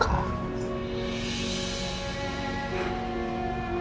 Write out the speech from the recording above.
kalo selama ini saya gak peka